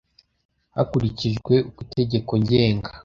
hakurikijwe uko itegeko ngenga